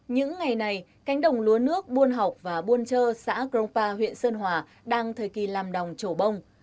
những ngày này cánh đồng lúa nước buôn học và buôn chơ xã grongpa huyện sơn hòa đang thời kỳ làm đồng trổ bông